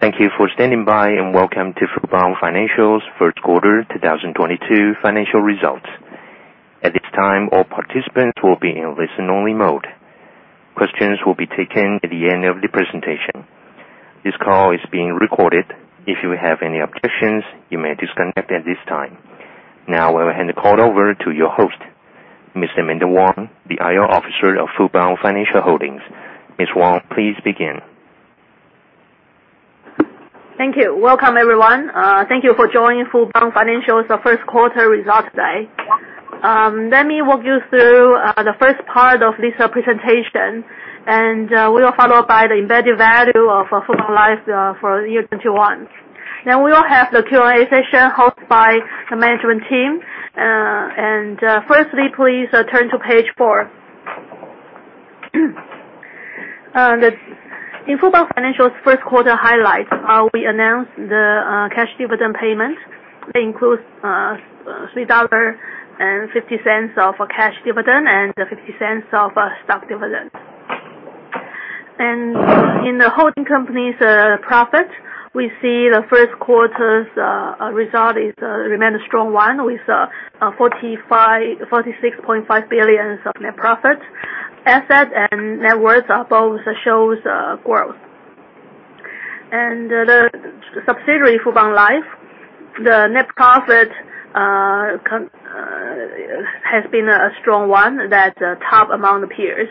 Thank you for standing by, welcome to Fubon Financial's first quarter 2022 financial results. At this time, all participants will be in listen only mode. Questions will be taken at the end of the presentation. This call is being recorded. If you have any objections, you may disconnect at this time. Now I will hand the call over to your host, Mr. Amanda Wang, the IR Officer of Fubon Financial Holdings. Ms. Wang, please begin. Thank you. Welcome, everyone. Thank you for joining Fubon Financial's first quarter results day. Let me walk you through the first part of this presentation, will followed by the embedded value of Fubon Life for year 2021. We will have the Q&A session hosted by the management team. Firstly, please turn to page four. In Fubon Financial's first quarter highlights, we announced the cash dividend payment that includes 3.50 of cash dividend and 0.50 of stock dividend. In the holding company's profit, we see the first quarter's result remains a strong one, with 46.5 billion of net profit. Asset and net worth both shows growth. The subsidiary, Fubon Life, the net profit has been a strong one that's top among the peers,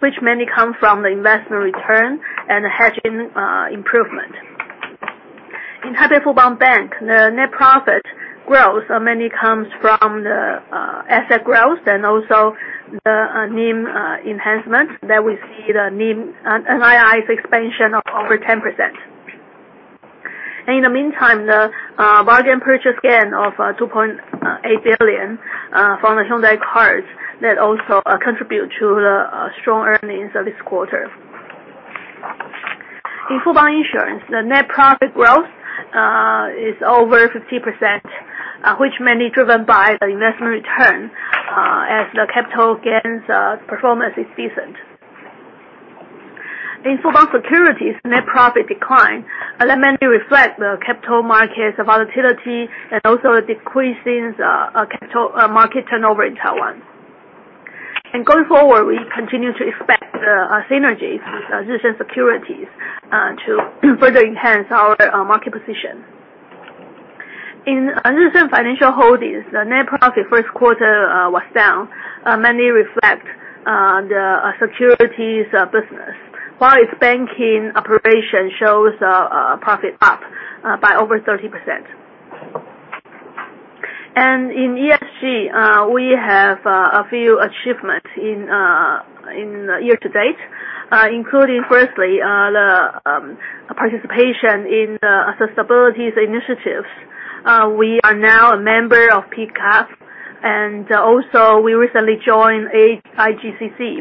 which mainly comes from the investment return and the hedging improvement. In Taipei Fubon Bank, the net profit growth mainly comes from the asset growth and also the NIM enhancement that we see the NII's expansion of over 10%. In the meantime, the bargain purchase gain of 2.8 billion from the Hyundai Card, that also contribute to the strong earnings of this quarter. In Fubon Insurance, the net profit growth is over 50%, which is mainly driven by the investment return as the capital gains performance is decent. In Fubon Securities, net profit decline. That mainly reflects the capital markets volatility and also decreases capital market turnover in Taiwan. Going forward, we continue to expect synergies with Jih Sun Securities to further enhance our market position. In An Shen Financial Holdings, the net profit first quarter was down, mainly reflect the securities business, while its banking operation shows a profit up by over 30%. In ESG, we have a few achievements in year to date, including firstly, the participation in the accessibilities initiatives. We are now a member of PCAF, also we recently joined IGCC.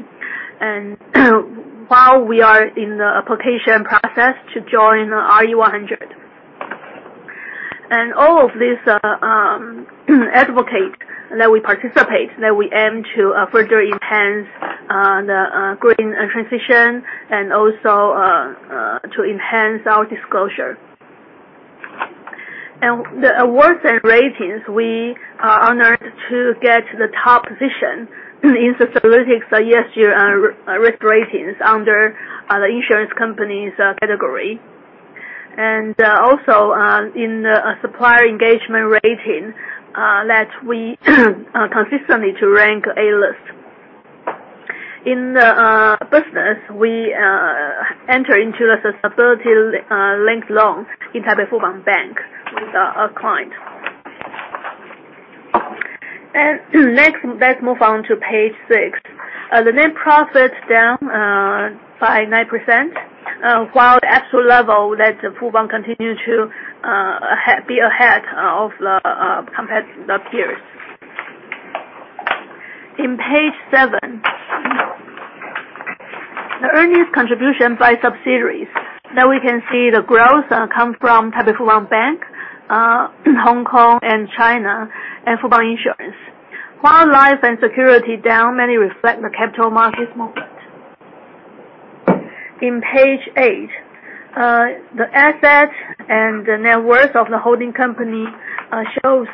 While we are in the application process to join the RE100. All of these advocate that we participate, that we aim to further enhance the green transition and also to enhance our disclosure. The awards and ratings, we are honored to get the top position in Sustainalytics last year risk ratings under the insurance company's category. Also in the supplier engagement rating that we are consistently to rank A list. In the business, we enter into a sustainability-linked loan in Taipei Fubon Bank with a client. Next, let's move on to page six. The net profit is down by 9%, while actual level that Fubon continue to be ahead of the peers. In page seven, the earnings contribution by subsidiaries, now we can see the growth come from Taipei Fubon Bank, Hong Kong and China, and Fubon Insurance. While Life and Security down mainly reflect the capital markets movement. In page eight, the asset and the net worth of the holding company shows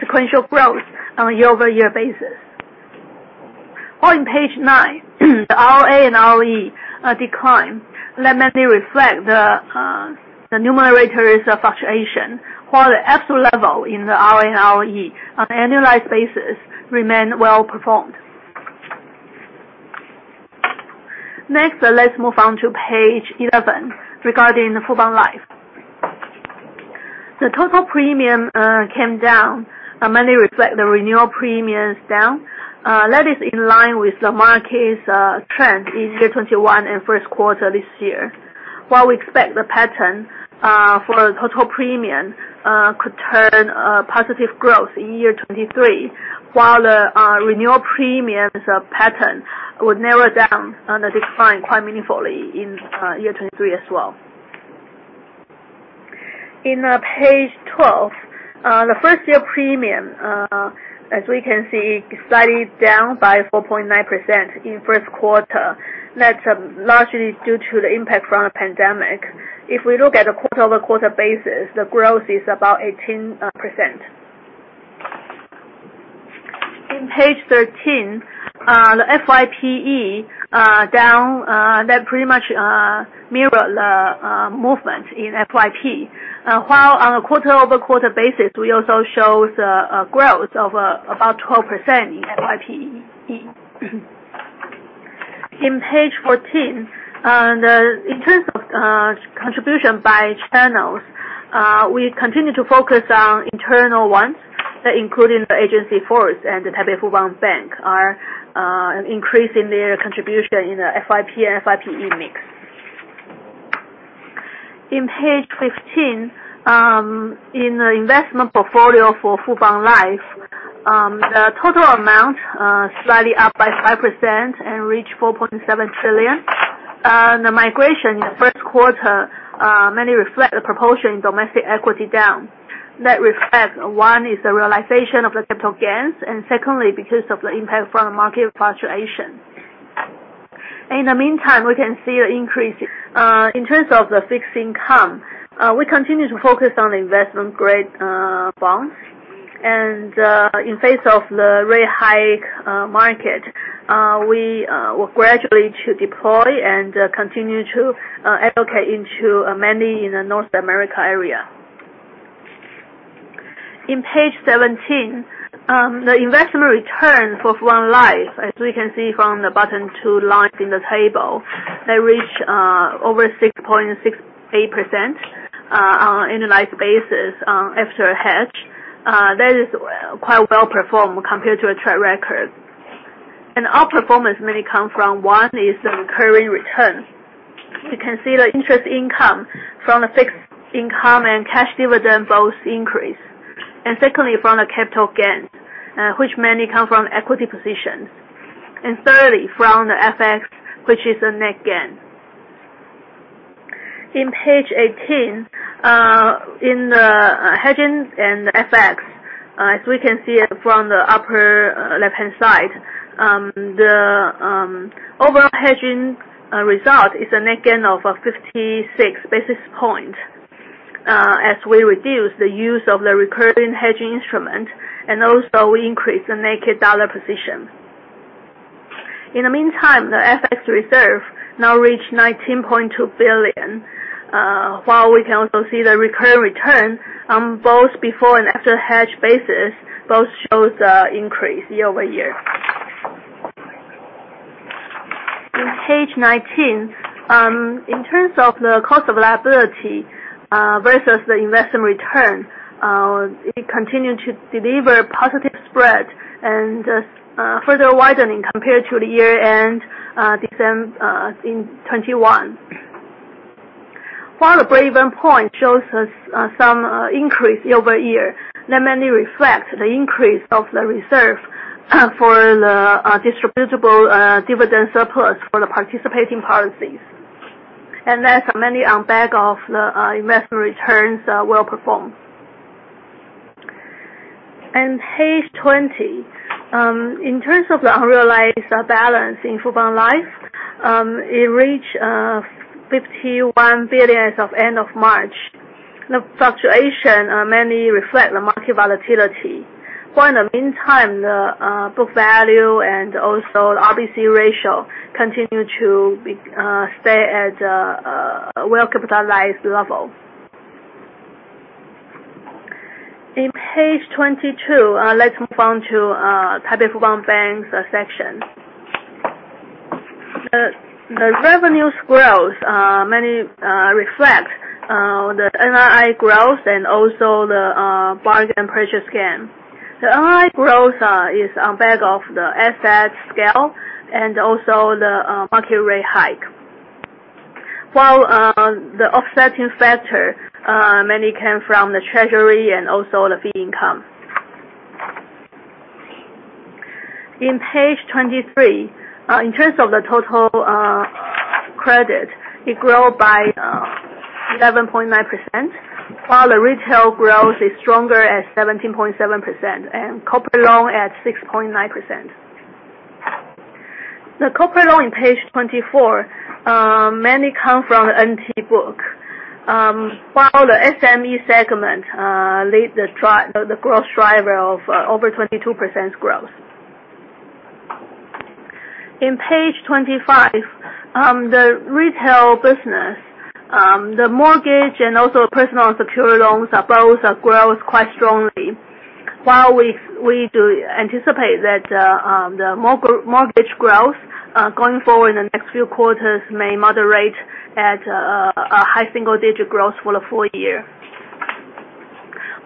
sequential growth on a year-over-year basis. On page nine, the ROA and ROE decline. That mainly reflect the numerator is a fluctuation, while the actual level in the ROA and ROE on an annualized basis remain well-performed. Next, let's move on to page 11 regarding Fubon Life. The total premium came down, mainly reflect the renewal premiums down. That is in line with the market's trend in year 2021 and first quarter this year. While we expect the pattern for the total premium could turn a positive growth in year 2023, while the renewal premiums pattern would narrow down on the decline quite meaningfully in year 2023 as well. In page 12, the first-year premium, as we can see, is slightly down by 4.9% in first quarter. That's largely due to the impact from the pandemic. If we look at a quarter-over-quarter basis, the growth is about 18%. In page 13, the FYPE down, that pretty much mirror the movement in FYP. While on a quarter-over-quarter basis, we also show the growth of about 12% in FYPE. In page 14, in terms of contribution by channels, we continue to focus on internal ones, including the agency force and the Taipei Fubon Bank are increasing their contribution in the FYP and FYPE mix. In page 15, in the investment portfolio for Fubon Life, the total amount slightly up by 5% and reached 4.7 trillion. The migration in the first quarter mainly reflect the proportion in domestic equity down. That reflects, one is the realization of the capital gains, and secondly, because of the impact from market fluctuation. In the meantime, we can see an increase. In terms of the fixed income, we continue to focus on investment-grade bonds, and in face of the rate hike market, we will gradually to deploy and continue to allocate into mainly in the North America area. In page 17, the investment return for Fubon Life, as we can see from the bottom two lines in the table, they reach over 6.68% on annualized basis after a hedge. That is quite well performed compared to a track record. Our performance mainly come from, one is the recurring return. You can see the interest income from the fixed income and cash dividend both increase. Secondly, from the capital gains, which mainly come from equity positions. Thirdly, from the FX, which is a net gain. In page 18, in the hedging and FX, as we can see from the upper left-hand side, the overall hedging result is a net gain of 56 basis point, as we reduce the use of the recurring hedging instrument and also increase the naked dollar position. In the meantime, the FX reserve now reach 19.2 billion, while we can also see the recurring return, both before and after hedge basis, both shows a increase year-over-year. In page 19, in terms of the cost of liability versus the investment return, it continue to deliver a positive spread and further widening compared to the year-end, December 2021. While the break-even point shows us some increase year-over-year, that mainly reflects the increase of the reserve for the distributable dividend surplus for the participating policies. That's mainly on back of the investment returns well performed. In page 20, in terms of the unrealized balance in Fubon Life, it reached 51 billion as of end of March. The fluctuation mainly reflect the market volatility. While in the meantime, the book value and also the RBC ratio continue to stay at a well-capitalized level. In page 22, let's move on to Taipei Fubon Bank's section. The revenues growth mainly reflects the NII growth and also the bargain purchase gain. The NII growth is on back of the asset scale and also the market rate hike. While the offsetting factor mainly came from the treasury and also the fee income. In page 23, in terms of the total credit, it grow by 11.9%, while the retail growth is stronger at 17.7%, and corporate loan at 6.9%. The corporate loan in page 24 mainly come from the NT book, while the SME segment lead the growth driver of over 22% growth. In page 25, the retail business, the mortgage and also personal secured loans are both growth quite strongly. While we do anticipate that the mortgage growth, going forward in the next few quarters, may moderate at a high single-digit growth for the full year.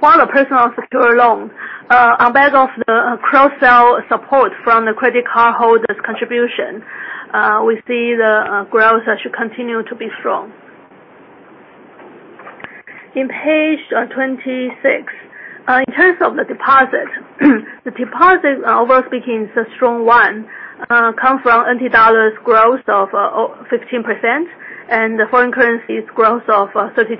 While the personal secured loan, on back of the cross-sell support from the credit card holders' contribution, we see the growth should continue to be strong. In page 26, in terms of the deposit, the deposit, overall speaking, is a strong one. Comes from TWD growth of 15%, and the foreign currency's growth of 32%.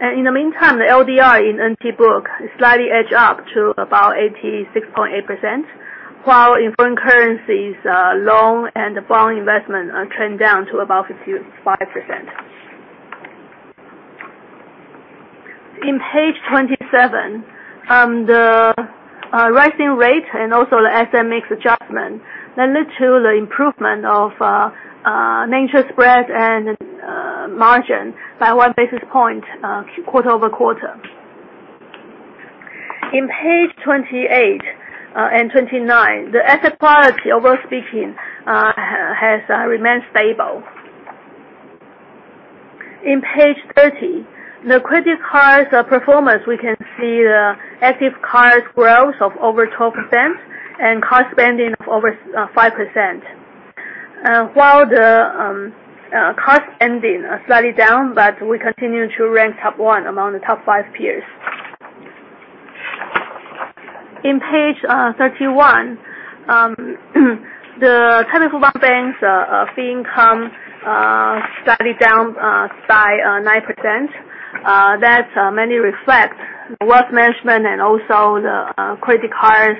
In the meantime, the LDR in NT book slightly edged up to about 86.8%, while in foreign currencies, loan and bond investment trend down to about 55%. In page 27, the rising rate and also the SMX adjustment that lead to the improvement of nature spread and margin by one basis point quarter-over-quarter. In page 28 and 29, the asset quality, overall speaking, has remained stable. In page 30, the credit card's performance, we can see the active cards growth of over 12% and card spending of over 5%. While the cards ending are slightly down, but we continue to rank top one among the top five peers. In page 31, the Taipei Fubon Bank's fee income slightly down by 9%. That mainly reflect wealth management and also the credit card's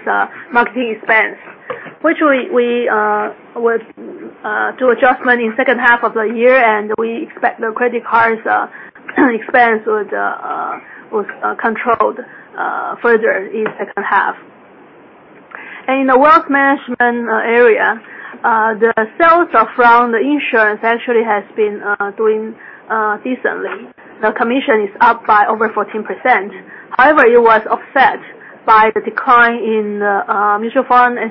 marketing expense, which we would do adjustment in second half of the year, We expect the credit card's expense would controlled further in second half. In the wealth management area, the sales from the insurance actually has been doing decently. The commission is up by over 14%. However, it was offset by the decline in mutual fund and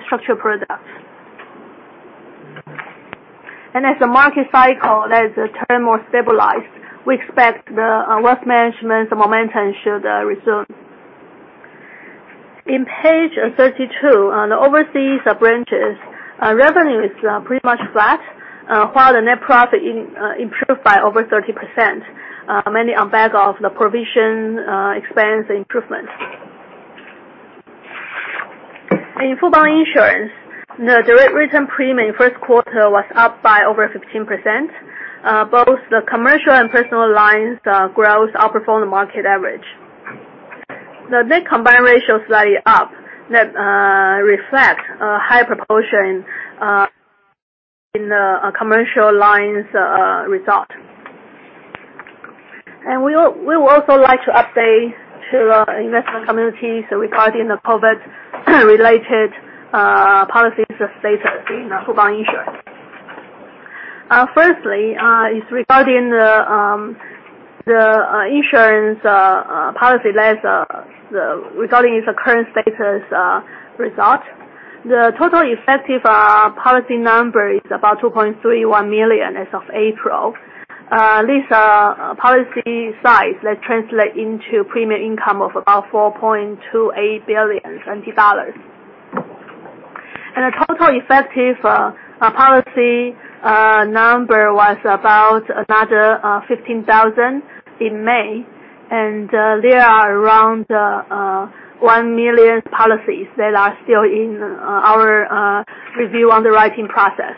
structured products. As the market cycle has turned more stabilized, we expect the wealth management momentum should resume. In page 32, on the overseas branches, revenue is pretty much flat, while the net profit improved by over 30%, mainly on back of the provision expense improvement. In Fubon Insurance, the direct written premium first quarter was up by over 15%. Both the commercial and personal lines growth outperformed the market average. The net combined ratio is slightly up. That reflects a higher proportion in the commercial lines result. We would also like to update to the investment community regarding the COVID-related policy status in Fubon Insurance. Firstly, it is regarding the insurance policy, regarding its current status result. The total effective policy number is about 2.31 million as of April. These are policy size that translate into premium income of about 4.28 billion. The total effective policy number was about another 15,000 in May. There are around 1 million policies that are still in our review underwriting process.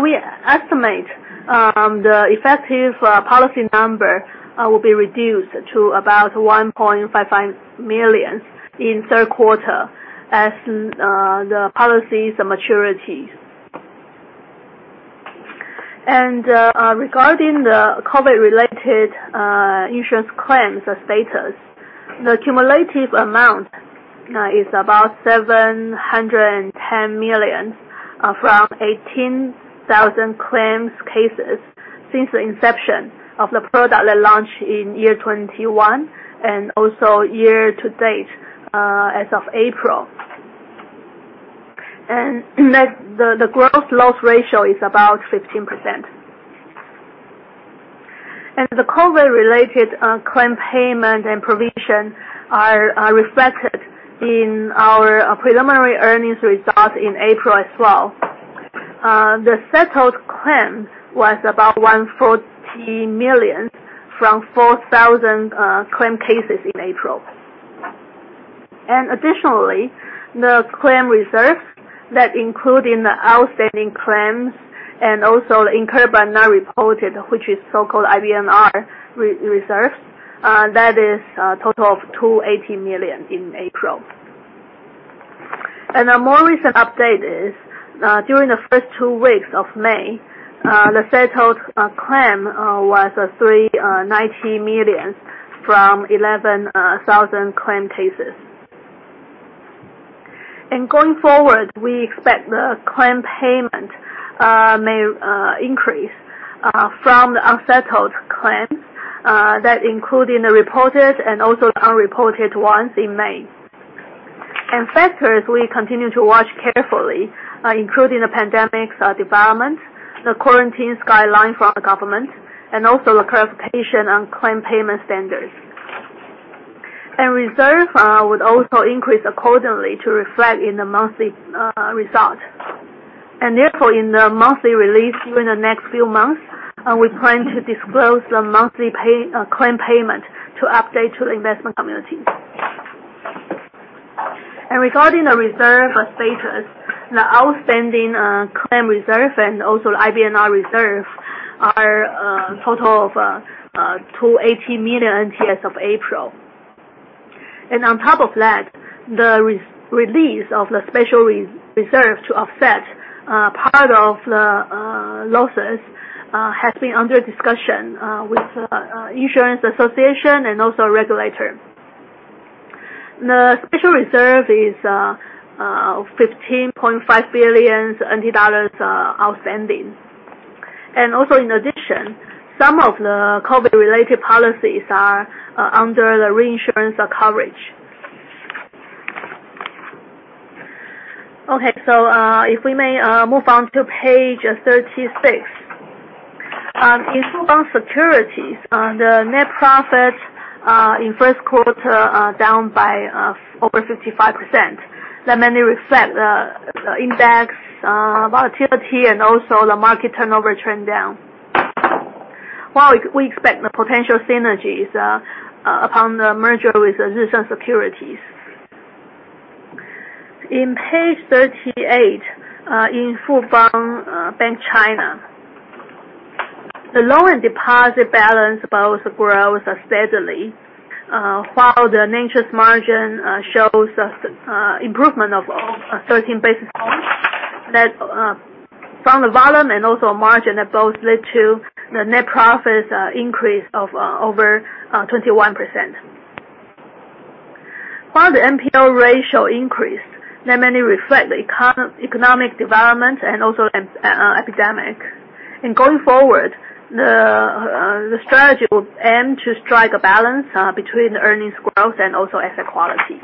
We estimate the effective policy number will be reduced to about 1.55 million in third quarter as the policies maturity. Regarding the COVID-related insurance claims status, the cumulative amount is about 710 million from 18,000 claims cases since the inception of the product they launched in year 2021, also year to date as of April. The gross loss ratio is about 15%. The COVID-related claim payment and provision are reflected in our preliminary earnings results in April as well. The settled claim was about 140 million from 4,000 claim cases in April. Additionally, the claim reserves that included in the outstanding claims and also incurred but not reported, which is so-called IBNR reserves. That is a total of 280 million in April. A more recent update is, during the first two weeks of May, the settled claim was 390 million from 11,000 claim cases. Going forward, we expect the claim payment may increase from the unsettled claims. That included in the reported and also the unreported ones in May. Factors we continue to watch carefully, including the pandemic's development, the quarantine guideline from the government, also the clarification on claim payment standards. Reserve would also increase accordingly to reflect in the monthly result. Therefore, in the monthly release during the next few months, we plan to disclose the monthly claim payment to update to the investment community. Regarding the reserve status, the outstanding claim reserve and also the IBNR reserve are a total of 280 million as of April. On top of that, the release of the special reserve to offset part of the losses has been under discussion with the insurance association and also regulator. The special reserve is $15.5 billion outstanding. Also, in addition, some of the COVID-related policies are under the reinsurance coverage. If we may move on to page 36. In Fubon Securities, the net profit in first quarter is down by over 55%. That mainly reflects the index volatility and also the market turnover trend down, while we expect the potential synergies upon the merger with Jih Sun Securities. Page 38, in Fubon Bank (China), the loan and deposit balance both grow steadily, while the net interest margin shows us improvement of 13 basis points from the volume and also margin that both lead to the net profits increase of over 21%. While the NPL ratio increased, that mainly reflects the economic development and also the epidemic. Going forward, the strategy would aim to strike a balance between the earnings growth and also asset quality.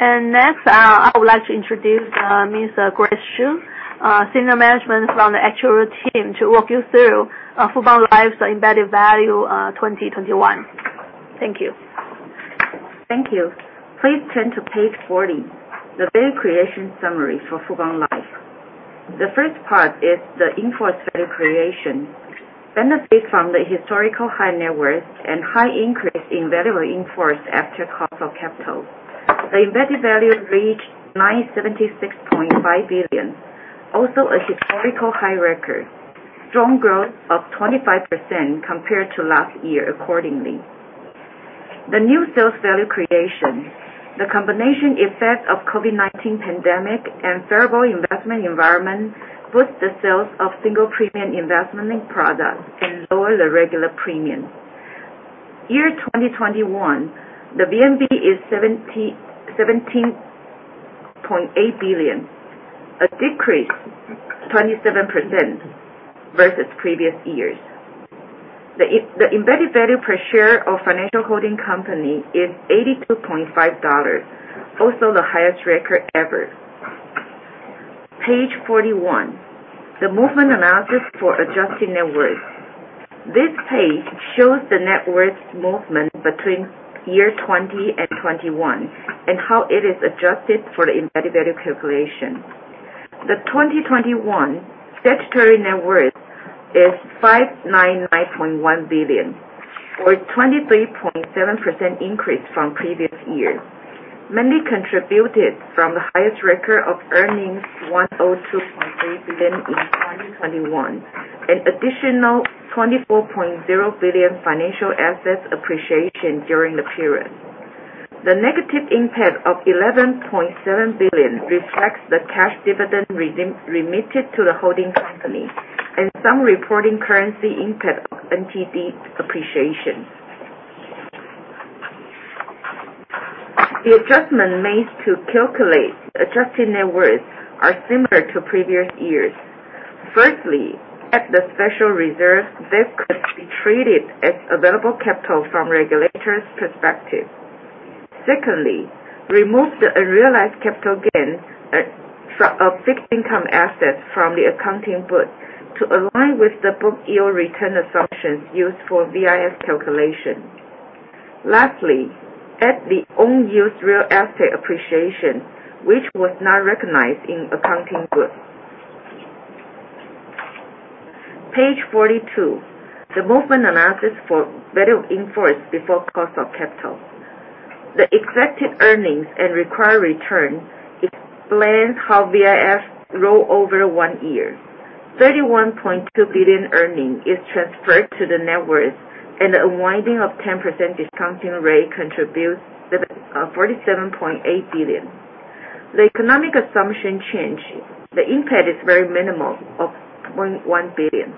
Next, I would like to introduce Ms. Grace Hsu, Senior Management from the actuarial team, to walk you through Fubon Life's embedded value 2021. Thank you. Thank you. Please turn to page 40, the value creation summary for Fubon Life. The first part is the in-force value creation. Benefit from the historical high net worth and high increase in variable in-force after cost of capital. The embedded value reached 976.5 billion, also a historical high record. Strong growth of 25% compared to last year accordingly. The new sales value creation. The combination effect of COVID-19 pandemic and favorable investment environment boost the sales of single-premium investment products and lower the regular premium. Year 2021, the VNB is 17.8 billion, a decrease 27% versus previous years. The embedded value per share of financial holding company is 82.50 dollars, also the highest record ever. Page 41, the movement analysis for adjusted net worth. This page shows the net worth movement between year 2020 and 2021 and how it is adjusted for the embedded value calculation. The 2021 statutory net worth is 599.1 billion, or 23.7% increase from previous year, mainly contributed from the highest record of earnings, 102.3 billion in 2021, an additional 24.0 billion financial assets appreciation during the period. The negative impact of 11.7 billion reflects the cash dividend remitted to the holding company and some reporting currency impact of NTD appreciation. The adjustment made to calculate adjusted net worth are similar to previous years. Firstly, at the special reserve, this could be treated as available capital from regulator's perspective. Secondly, remove the unrealized capital gains of fixed income assets from the accounting book to align with the book year return assumptions used for VIF calculation. Lastly, add the own-use real estate appreciation, which was not recognized in accounting book. Page 42, the movement analysis for variable in-force before cost of capital. The expected earnings and required return explains how VIF roll over one year. 31.2 billion earning is transferred to the net worth, and the unwinding of 10% discounting rate contributes 47.8 billion. The economic assumption change, the impact is very minimal of 0.1 billion.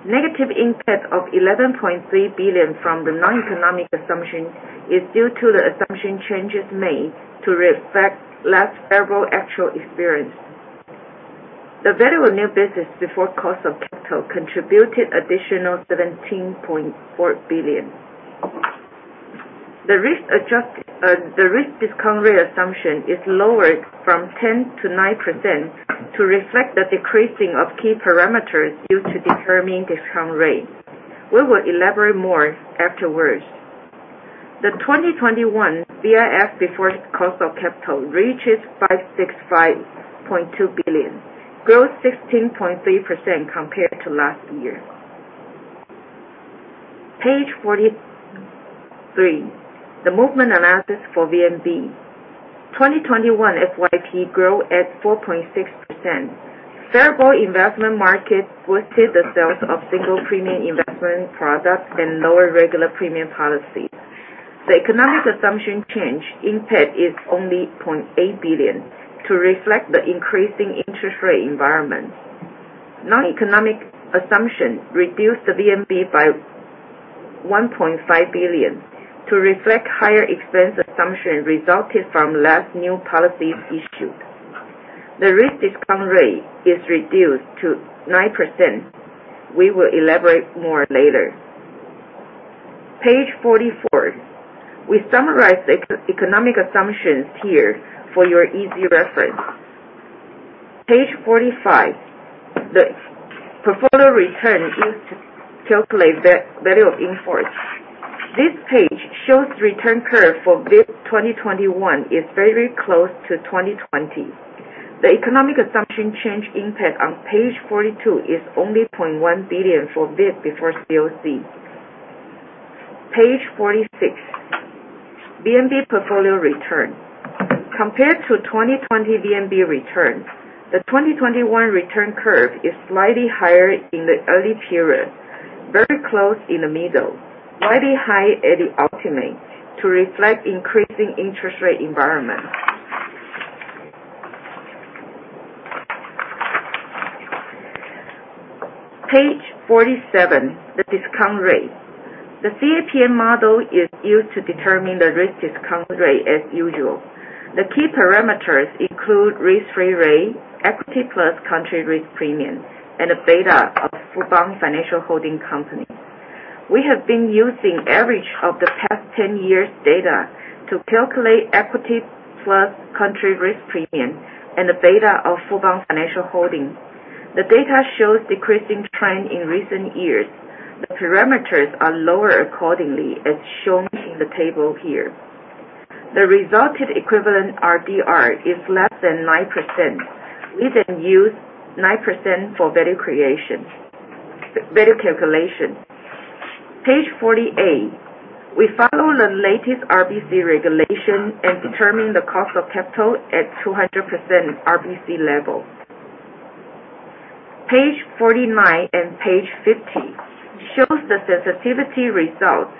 Negative impact of 11.3 billion from the noneconomic assumption is due to the assumption changes made to reflect less favorable actual experience. The variable new business before cost of capital contributed additional 17.4 billion. The risk discount rate assumption is lowered from 10% to 9% to reflect the decreasing of key parameters used to determine discount rate. We will elaborate more afterwards. The 2021 VIF before cost of capital reaches 565.2 billion, growth 16.3% compared to last year. Page 43, the movement analysis for VNB. 2021 FYP grew at 4.6%. Variable investment markets boosted the sales of single-premium investment products and lower regular premium policies. The economic assumption change impact is only 0.8 billion to reflect the increasing interest rate environment. Non-economic assumption reduced the VNB by 1.5 billion to reflect higher expense assumption resulted from less new policies issued. The risk discount rate is reduced to 9%. We will elaborate more later. Page 44. We summarize the economic assumptions here for your easy reference. Page 45. The portfolio return is to calculate the value of in-force. This page shows return curve for this 2021 is very close to 2020. The economic assumption change impact on page 42 is only 0.1 billion for VIP before COC. Page 46, VNB portfolio return. Compared to 2020 VNB return, the 2021 return curve is slightly higher in the early period, very close in the middle, widely high at the ultimate to reflect increasing interest rate environment. Page 47, the discount rate. The CAPM model is used to determine the risk discount rate as usual. The key parameters include risk-free rate, equity plus country risk premium, and the beta of Fubon Financial Holding company. We have been using average of the past 10 years data to calculate equity plus country risk premium and the beta of Fubon Financial Holding. The data shows decreasing trend in recent years. The parameters are lower accordingly as shown in the table here. The resulted equivalent RDR is less than 9%. We then use 9% for value calculation. Page 48. We follow the latest RBC regulation and determine the cost of capital at 200% RBC level. Page 49 and page 50 shows the sensitivity results.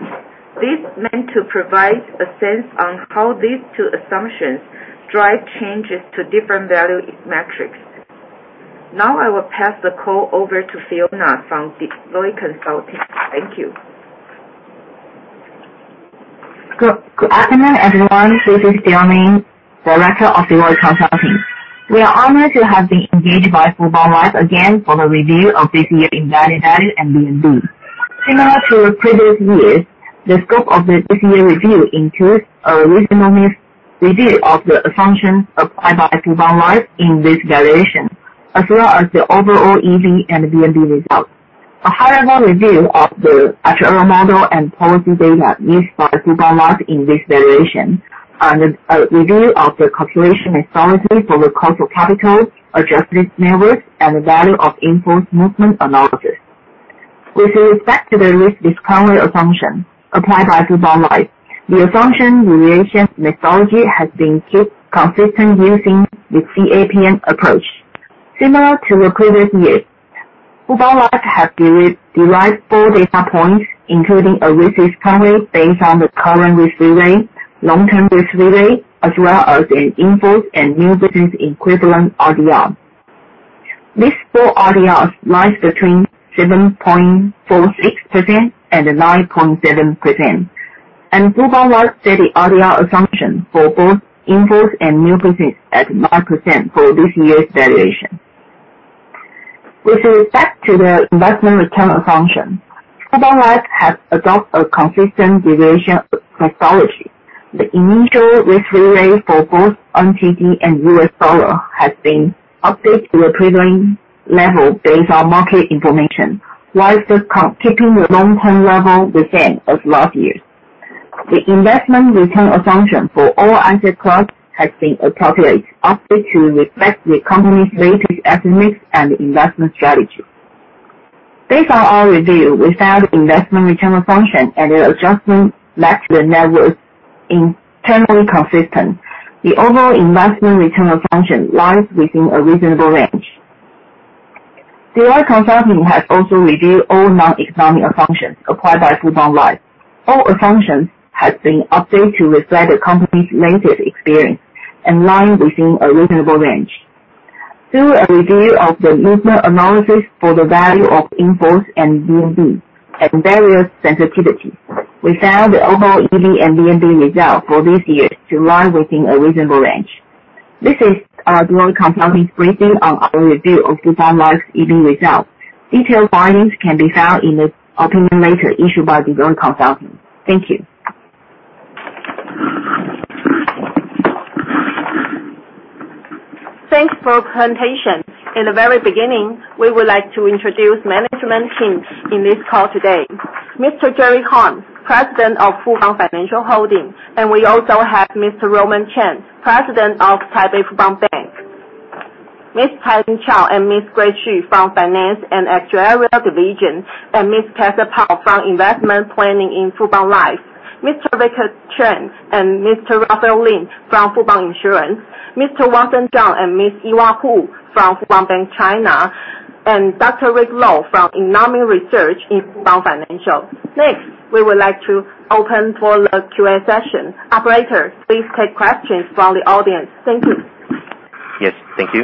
This is meant to provide a sense on how these two assumptions drive changes to different value metrics. Now I will pass the call over to Fiona from Deloitte Consulting. Thank you. Good afternoon, everyone. This is Fiona Ming, director of Deloitte Consulting. We are honored to have been engaged by Fubon Life again for the review of this year's evaluation and VNB. Similar to previous years, the scope of this year's review includes a review of the assumptions applied by Fubon Life in this evaluation, as well as the overall EV and VNB results. A high-level review of the actual model and policy data used by Fubon Life in this evaluation and a review of the calculation methodology for the cost of capital, adjusted net worth, and value of in-force movement analysis. With respect to the risk discount assumption applied by Fubon Life, the assumption utilization methodology has been kept consistent using the CAPM approach. Similar to recent years, Fubon Life has derived four data points, including a risk-free rate based on the current risk-free rate, long-term risk-free rate, as well as an in-force and new business equivalent RDR. These four RDRs lie between 7.46% and 9.7%. Fubon Life set the RDR assumption for both in-force and new business at 9% for this year's evaluation. With respect to the investment return assumption, Fubon Life has adopted a consistent utilization methodology. The initial risk-free rate for both NTD and U.S. dollar has been updated to a prevailing level based on market information, while keeping the long-term level the same as last year's. The investment return assumption for all asset classes has been appropriately updated to reflect the company's latest estimates and investment strategy. Based on our review, we found investment return assumption and the adjustment makes the workings internally consistent. The overall investment return assumption lies within a reasonable range. Deloitte Consulting has also reviewed all non-economic assumptions applied by Fubon Life. All assumptions have been updated to reflect the company's latest experience and lie within a reasonable range. Through a review of the movement analysis for the value of in-force and VNB and various sensitivities, we found the overall EV and VNB result for this year to lie within a reasonable range. This is our Deloitte Consulting briefing on our review of Fubon Life's EV results. Detailed findings can be found in the opinion letter issued by Deloitte Consulting. Thank you. Thanks for presentation. In the very beginning, we would like to introduce management team in this call today. Mr. Jerry Harn, President of Fubon Financial Holding, and we also have Mr. Roman Chen, President of Taipei Fubon Bank. Ms. Patty Chao and Ms. Grace Chu from Finance and Actuarial Division, and Ms. Catherine Pow from Investment Planning in Fubon Life. Mr. Victor Chen and Mr. Rafael Lim from Fubon Insurance. Mr. Watson Chang and Ms. Iwa Hu from Fubon Bank China, and Dr. Rick Lo from Economic Research in Fubon Financial. Next, we would like to open for the Q&A session. Operator, please take questions from the audience. Thank you. Yes. Thank you.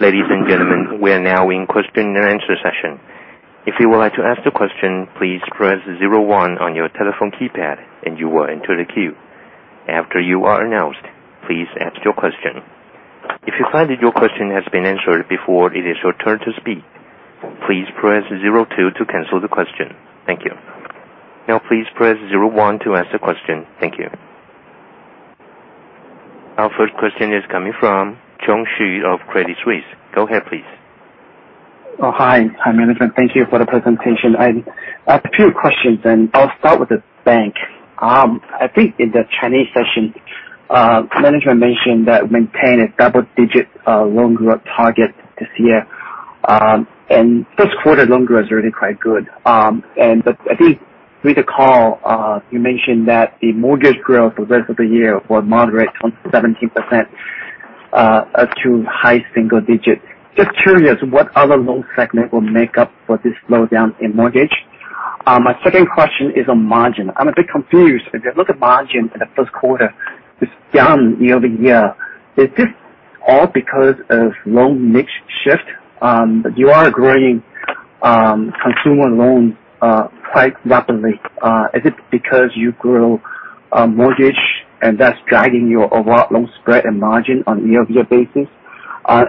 Ladies and gentlemen, we are now in question and answer session. If you would like to ask the question, please press zero one on your telephone keypad and you will enter the queue. After you are announced, please ask your question. If you find that your question has been answered before it is your turn to speak, please press zero two to cancel the question. Thank you. Now, please press zero one to ask a question. Thank you. Our first question is coming from Chung Hsu of Credit Suisse. Go ahead, please. Hi. Hi, management. Thank you for the presentation. I have a few questions, and I'll start with the bank. I think in the Chinese session, management mentioned that maintain a double-digit loan growth target this year, and first quarter loan growth is really quite good. I think with the call, you mentioned that the mortgage growth for the rest of the year will moderate from 17% to high single digit. Just curious, what other loan segment will make up for this slowdown in mortgage? My second question is on margin. I'm a bit confused. If you look at margin in the first quarter, it's down year-over-year. Is this all because of loan mix shift? You are growing consumer loans quite rapidly. Is it because you grow mortgage and that's guiding your overall loan spread and margin on a year-over-year basis? Are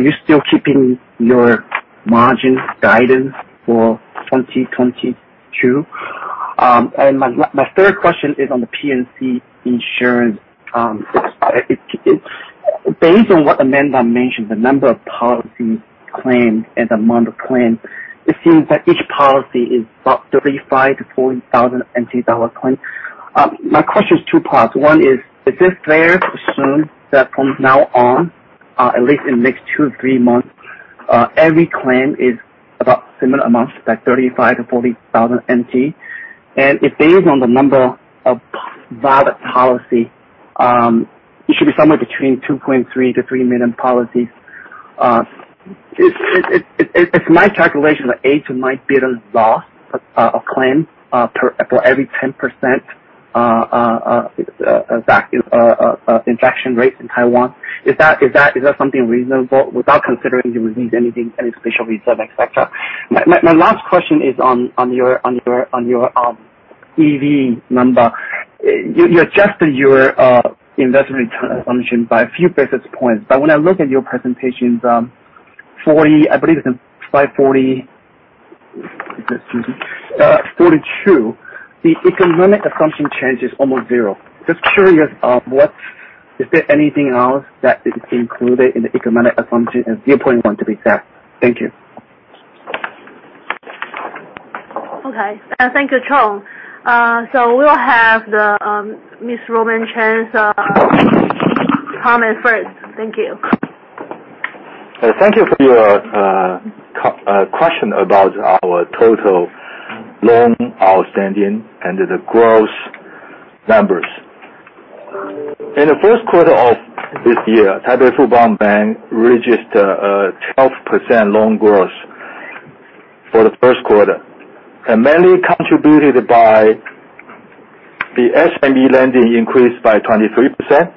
you still keeping your margin guidance for 2022? My third question is on the P&C Insurance. Based on what Amanda Wang mentioned, the number of policy claims and the amount of claims, it seems that each policy is about 35,000-40,000 NT dollar claim. My question is 2 parts. 1 is it fair to assume that from now on, at least in the next 2, 3 months, every claim is about similar amounts, like 35,000-40,000 NT? If based on the number of valid policy, it should be somewhere between 2.3 to 3 million policies. If my calculation, the agent might bear the loss of claim for every 10% infection rates in Taiwan. Is that something reasonable without considering you release anything, any special reserve, et cetera? My last question is on your EV number. You adjusted your investment return assumption by a few basis points. When I look at your presentations, slide 40 I believe it's in slide 542, the economic assumption change is almost 0. Just curious, is there anything else that is included in the economic assumption as 0.1 to be exact? Thank you. Thank you, Chung Hsu. We'll have Mr. Roman Cheng's comment first. Thank you. Thank you for your question about our total loan outstanding and the growth numbers. In the first quarter of this year, Taipei Fubon Bank registered a 12% loan growth for the first quarter, mainly contributed by the SME lending increase by 23%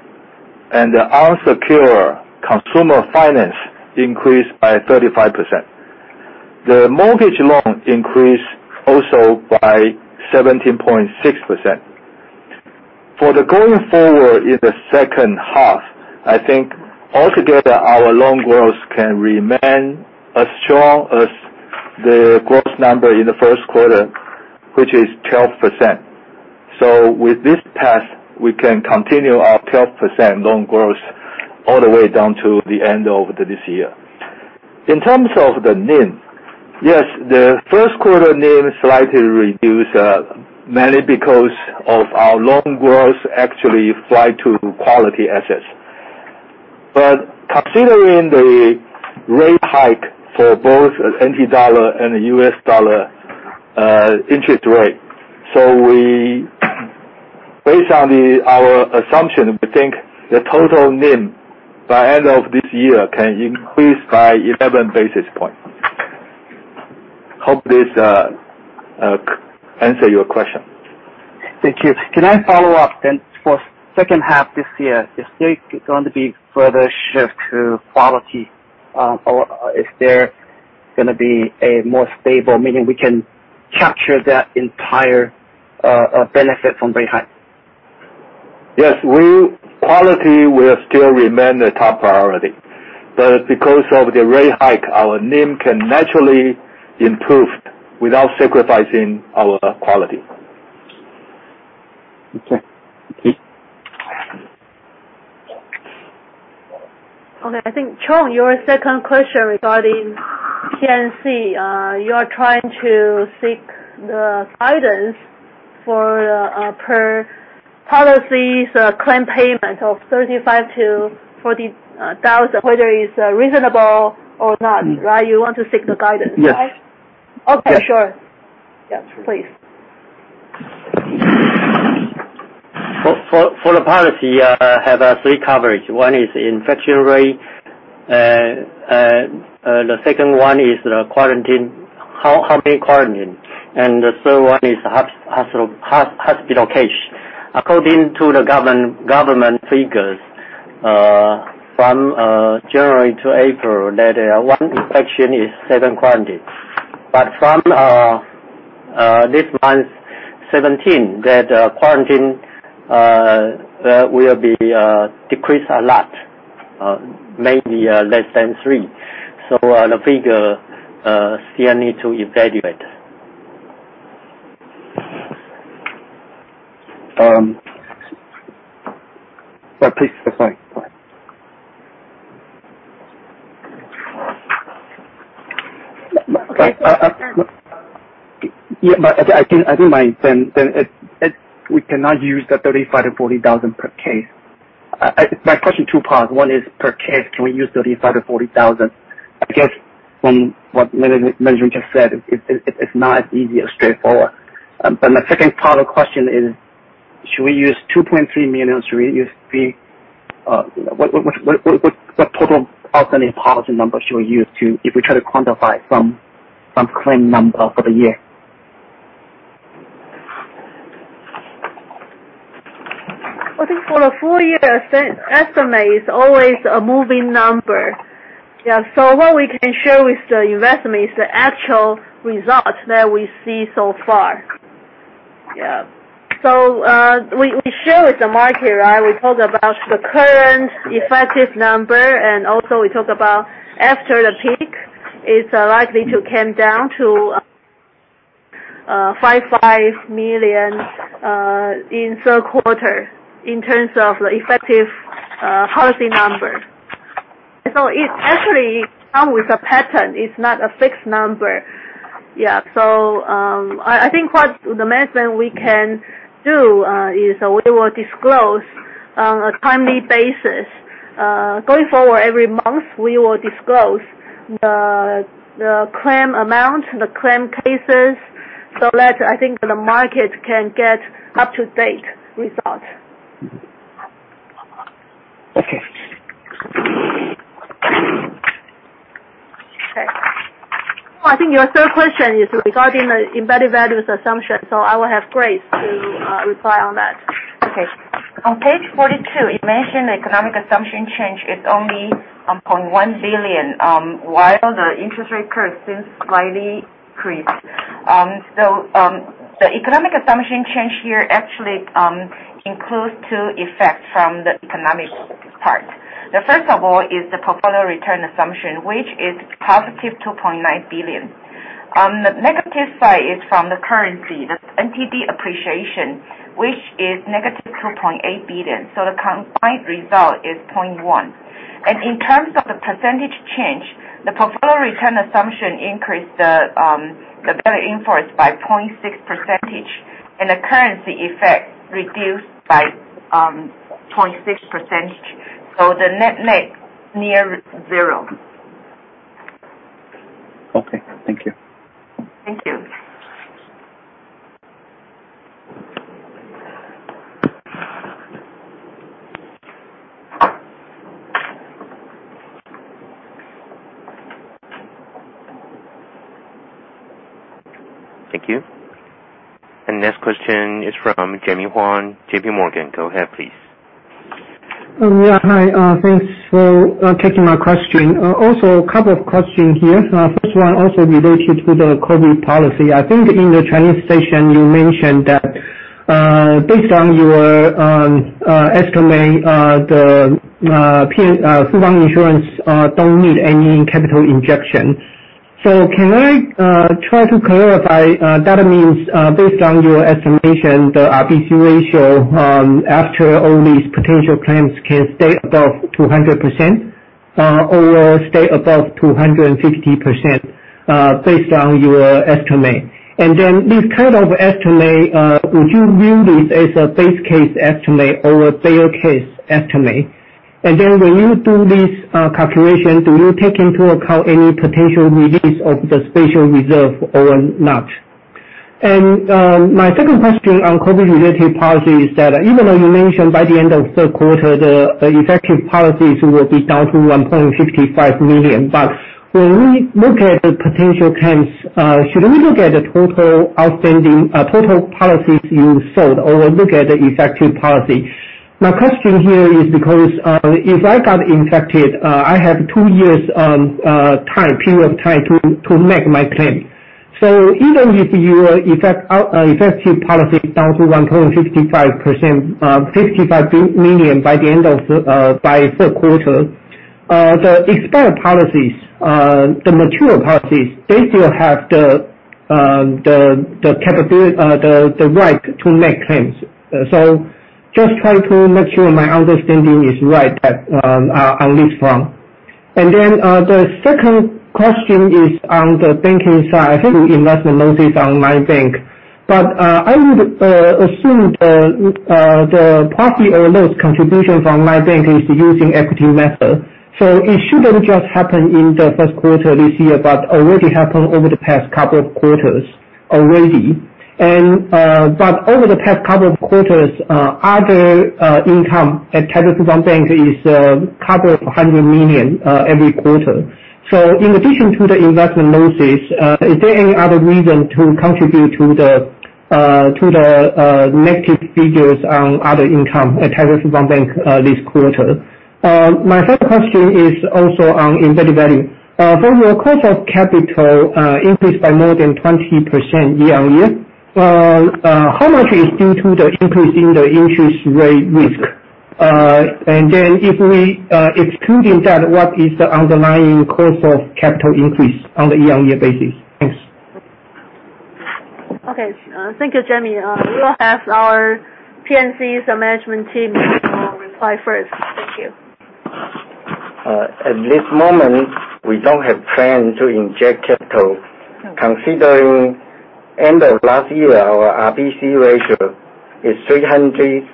and the unsecure consumer finance increase by 35%. The mortgage loan increase also by 17.6%. For the going forward in the second half, I think altogether, our loan growth can remain as strong as the growth number in the first quarter, which is 12%. With this path, we can continue our 12% loan growth all the way down to the end of this year. In terms of the NIM, yes, the first quarter NIM slightly reduced, mainly because of our loan growth actually flew to quality assets. Considering the rate hike for both NT dollar and the US dollar interest rate. Based on our assumption, we think the total NIM by end of this year can increase by 11 basis points. Hope this answer your question. Thank you. Can I follow up then for second half this year, is there going to be further shift to quality? Or is there going to be a more stable, meaning we can capture that entire benefit from rate hike? Yes. Quality will still remain the top priority. Because of the rate hike, our NIM can naturally improve without sacrificing our quality. Okay. Please. Okay. I think, Chung, your second question regarding P&C. You are trying to seek the guidance for per policies, claim payment of 35,000-40,000, whether it's reasonable or not. You want to seek the guidance, right? Yes. Okay. Sure. Yeah, please. For the policy, have three coverage. One is infection rate, the second one is the quarantine, how many quarantine, and the third one is hospital cash. According to the government figures from January to April, that one infection is seven quarantine. From this month, 17, that quarantine will be decreased a lot, maybe less than three. The figure still need to evaluate. Please. Sorry. Okay. Yeah. I think we cannot use the 35,000-40,000 per case. My question two parts, one is per case, can we use 35,000-40,000? I guess from what management just said, it is not as easy or straightforward. My second part of the question is, should we use 2.3 million? What total outstanding policy number should we use if we try to quantify some claim number for the year? I think for the full year estimate, it's always a moving number. Yeah. What we can show is the investment is the actual results that we see so far. Yeah. We show it the market. We talk about the current effective number, and also we talk about after the peak, it's likely to come down to 5.5 million in third quarter in terms of the effective policy number. It actually come with a pattern. It's not a fixed number. Yeah. I think what the management we can do is we will disclose on a timely basis. Going forward every month, we will disclose the claim amount, the claim cases, so that I think the market can get up-to-date result. Okay. Okay. I think your third question is regarding the embedded values assumption. I will have Grace to reply on that. Okay. On page 42, it mentioned economic assumption change is only 1.1 billion, while the interest rate curve seems slightly creep. The economic assumption change here actually includes two effects from the economic part. The first of all is the portfolio return assumption, which is positive 2.9 billion. The negative side is from the currency, the NTD appreciation, which is negative 2.8 billion. The combined result is 0.1 billion. In terms of the percentage change, the portfolio return assumption increased the better interest by 0.6%, and the currency effect reduced by 0.6%. The net-net, near zero. Okay. Thank you. Thank you. Thank you. Next question is from Jimmy Huang, JPMorgan. Go ahead, please. Yeah. Hi. Thanks for taking my question. Also a couple of questions here. First one also related to the COVID policy. I think in the Chinese session you mentioned that based on your estimate, the Fubon Insurance don't need any capital injection. Can I try to clarify, that means based on your estimation, the RBC ratio, after all these potential claims can stay above 200% or stay above 250%, based on your estimate? Then this kind of estimate, would you view this as a base case estimate or a fair case estimate? Then when you do this calculation, do you take into account any potential release of the special reserve or not? My second question on COVID-related policy is that even though you mentioned by the end of third quarter, the effective policies will be down to 1.55 million. When we look at the potential claims, should we look at the total outstanding policies you sold or look at the effective policy? My question here is because if I got infected, I have 2 years period of time to make my claim. Even if your effective policy down to 1.55 million by third quarter. The expired policies, the mature policies, they still have the right to make claims. Just try to make sure my understanding is right on this one. The second question is on the banking side. I think you invest the notices on MyBank. I would assume the profit or loss contribution from MyBank is using equity method. It shouldn't just happen in the first quarter this year, but already happened over the past couple of quarters already. Over the past couple of quarters, other income at Taishin Bank is a couple of hundred million every quarter. In addition to the investment losses, is there any other reason to contribute to the negative figures on other income at Taishin Bank this quarter? My third question is also on embedded value. From your cost of capital increase by more than 20% year-on-year, how much is due to the increase in the interest rate risk? If we excluding that, what is the underlying cost of capital increase on the year-on-year basis? Thanks. Okay. Thank you, Jimmy. We will have our P&C's management team reply first. Thank you. At this moment, we don't have plans to inject capital. Considering end of last year, our RBC ratio is 369%.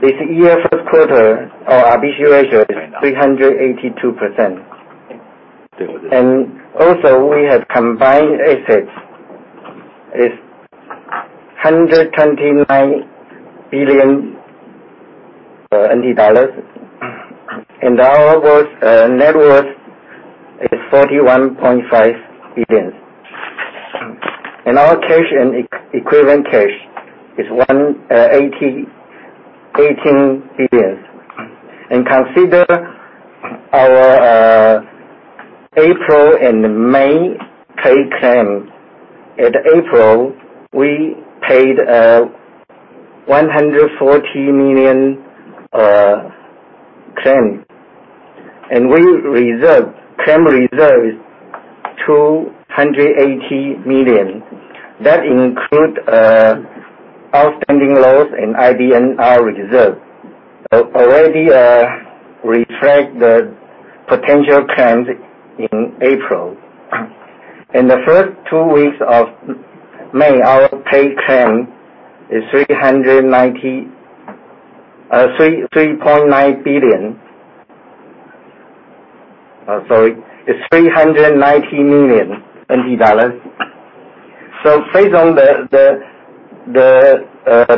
This year, first quarter, our RBC ratio is 382%. Also we have combined assets. It's 129 billion NT dollars. Our net worth is 41.5 billion. Our cash and equivalent cash is 118 billion. Consider our April and May paid claim. At April, we paid 140 million claim, and we reserved claim reserves, 280 million. That include outstanding loss in IBNR reserve. Already reflect the potential claims in April. In the first two weeks of May, our paid claim is TWD 390 million. Based on the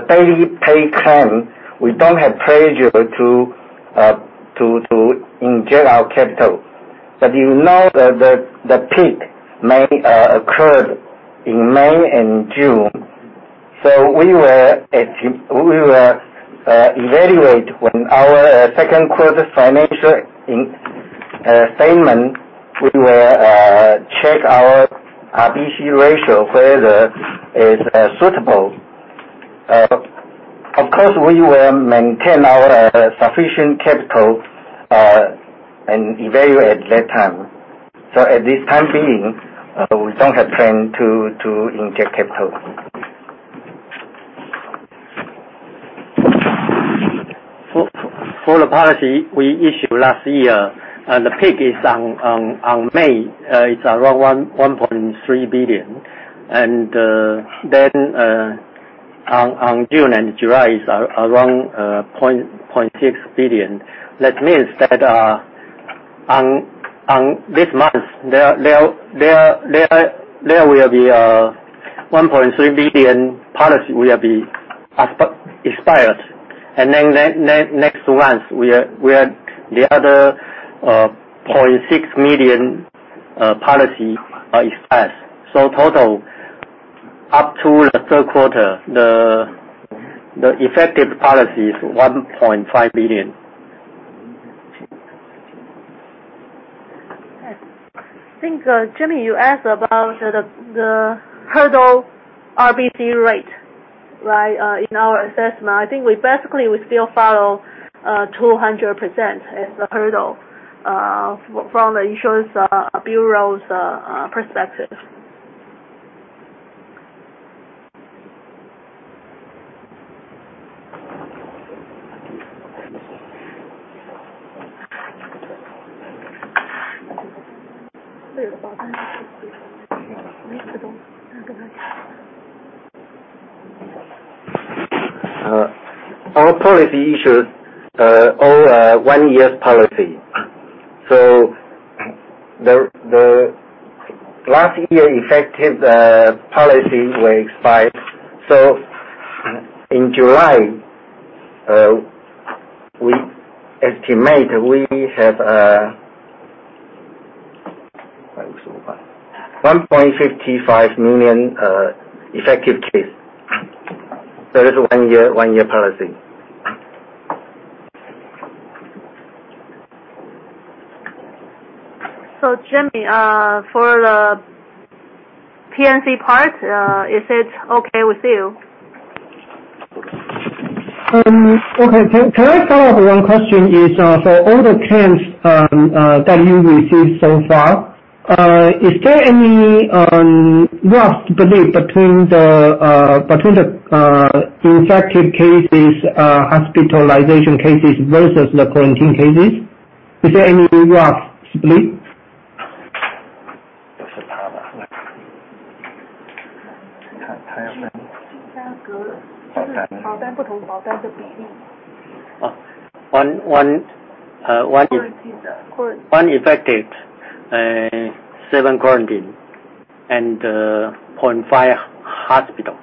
daily paid claim, we don't have pressure to inject our capital. You know the peak may occur in May and June. We will evaluate when our second quarter financial statement, we will check our RBC ratio, whether it's suitable. Of course, we will maintain our sufficient capital, and evaluate at that time. At this time being, we don't have plan to inject capital. For the policy we issued last year, the peak is on May, it's around 1.3 billion. On June and July is around 0.6 billion. That means that this month, there will be 1.3 billion policy will be expired. Next month, the other TWD 0.6 million policy are expired. Total, up to the third quarter, the effective policy is 1.5 billion. I think, Jimmy, you asked about the hurdle RBC rate, right? In our assessment, I think basically we still follow 200% as the hurdle from the insurance bureau's perspective. Our policy issued all one year's policy. The last year effective policy will expire. In July, we estimate we have 1.55 million effective case. That's one year policy. Jimmy, for the P&C part, is it okay with you? Okay. Can I follow up on one question? All the claims that you received so far, is there any rough split between the infected cases, hospitalization cases, versus the quarantine cases? Is there any rough split? One infected, seven quarantined, and 0.5 hospital.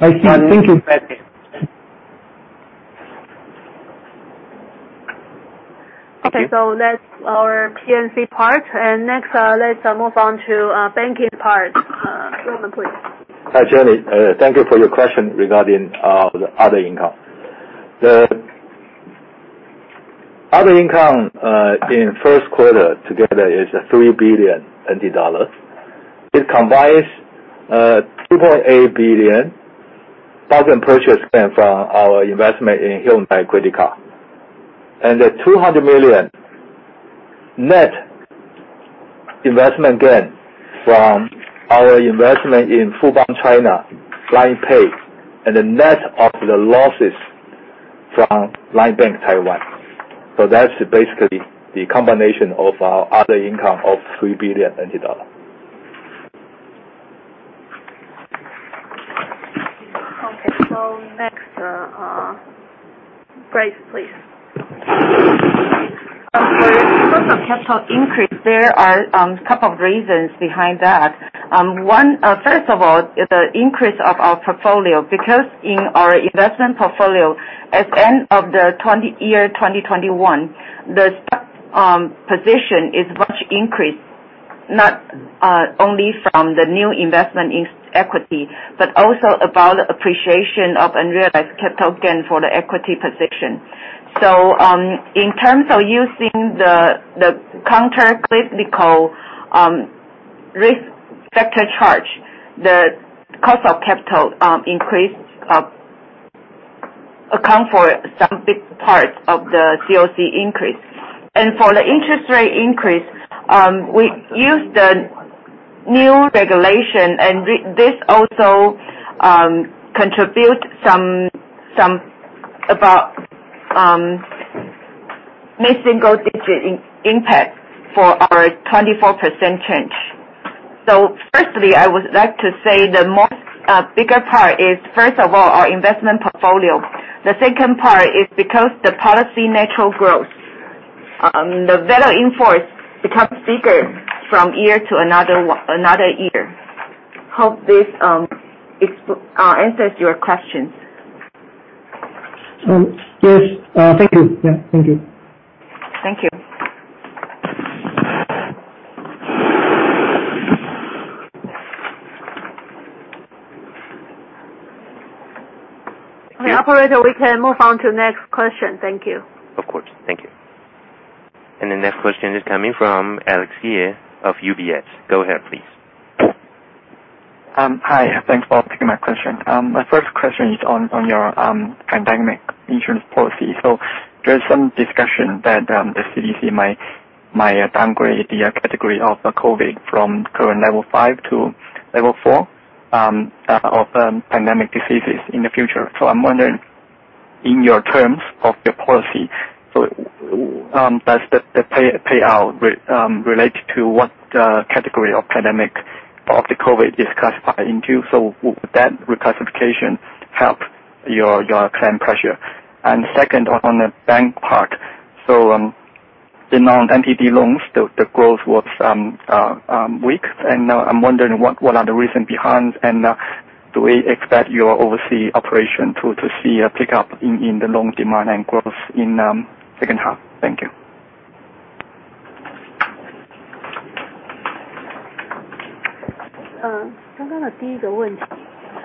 I see. Thank you. That's our P&C part, next let's move on to banking part. Roman, please. Hi, Jenny. Thank you for your question regarding the other income. The other income in first quarter together is 3 billion NT dollars. It combines 2.8 billion profit purchase gain from our investment in Hyundai Card, the TWD 200 million net investment gain from our investment in Fubon China, Line Pay, and the net of the losses from Line Bank Taiwan. That's basically the combination of our other income of 3 billion. Next, Grace, please. For cost of capital increase, there are couple of reasons behind that. First of all, is the increase of our portfolio, because in our investment portfolio at the end of the year 2021, the stock position is much increased, not only from the new investment in equity, but also about appreciation of unrealized capital gain for the equity position. In terms of using the countercyclical risk factor charge, the cost of capital increase account for some big parts of the COC increase. For the interest rate increase, we used the new regulation, and this also contribute about mid-single digit impact for our 24% change. Firstly, I would like to say the bigger part is, first of all, our investment portfolio. The second part is because the policy natural growth. The Value of In-force becomes bigger from year to another year. Hope this answers your questions. Yes. Thank you. Thank you. Okay, operator, we can move on to next question. Thank you. Of course. Thank you. The next question is coming from Alex Ye of UBS. Go ahead, please. Hi. Thanks for taking my question. My first question is on your pandemic insurance policy. There's some discussion that the CDC might downgrade the category of the COVID from current level 5 to level 4 of pandemic diseases in the future. I'm wondering, in your terms of your policy, does the payout relate to what category of pandemic of the COVID is classified into? Would that reclassification help your claim pressure? Second, on the bank part. The non-NTD loans, the growth was weak, and now I'm wondering what are the reason behind, and do we expect your overseas operation to see a pickup in the loan demand and growth in second half? Thank you. If we downgrade, the claim will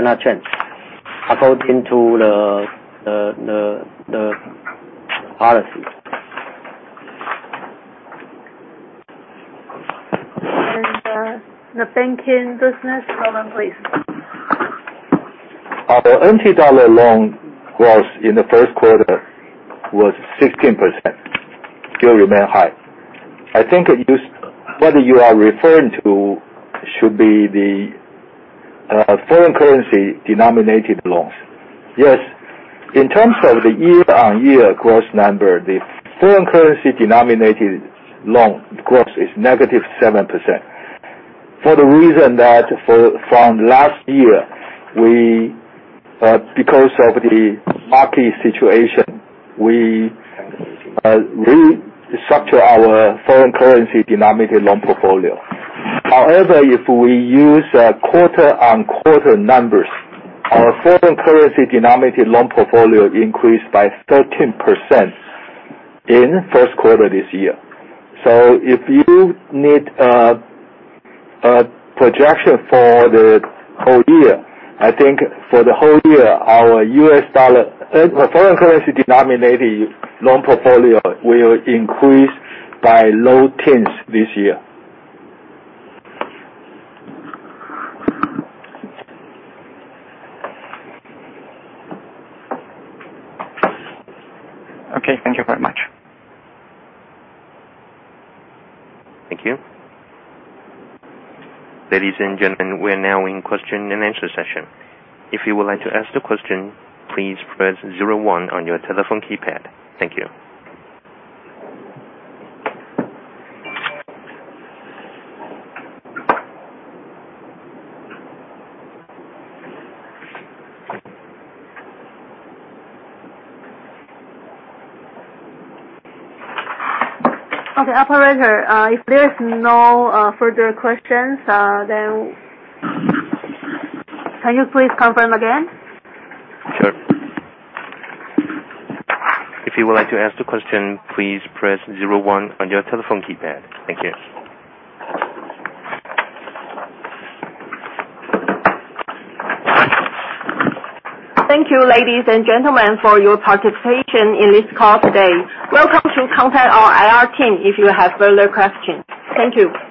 not change according to the policy. The banking business. Roman, please. Our NTD loan growth in the first quarter was 16%, still remain high. I think what you are referring to should be the foreign currency denominated loans. Yes. In terms of the year-over-year growth number, the foreign currency denominated loan growth is negative 7%. For the reason that from last year, because of the market situation restructure our foreign currency denominated loan portfolio. However, if we use quarter-over-quarter numbers, our foreign currency denominated loan portfolio increased by 13% in first quarter this year. If you need a projection for the whole year, I think for the whole year, our foreign currency denominated loan portfolio will increase by low tens this year. Okay. Thank you very much. Thank you. Ladies and gentlemen, we're now in question and answer session. If you would like to ask the question, please press zero one on your telephone keypad. Thank you. Okay, operator, if there is no further questions, then can you please confirm again? Sure. If you would like to ask the question, please press zero one on your telephone keypad. Thank you. Thank you, ladies and gentlemen, for your participation in this call today. Welcome to contact our IR team if you have further questions. Thank you.